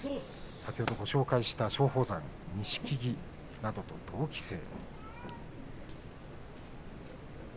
先ほどご紹介した松鳳山錦木などと同期生。